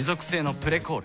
「プレコール」